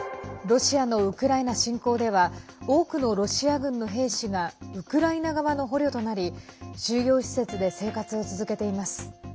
ロシアのウクライナ侵攻では多くのロシア軍の兵士がウクライナ側の捕虜となり収容施設で生活を続けています。